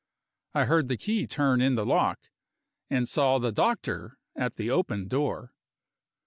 I heard the key turn in the lock, and saw the doctor at the open door.